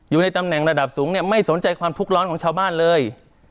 อยู่ในตำแหน่งระดับสูงเนี่ยไม่สนใจความทุกข์ร้อนของชาวบ้านเลย